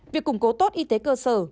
việc củng cố tốt y tế cơ sở